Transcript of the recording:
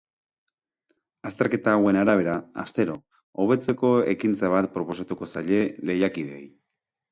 Azterketa hauen arabera, astero, hobetzeko ekintza bat proposatuko zaie lehiakideei.